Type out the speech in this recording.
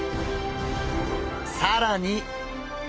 さらに！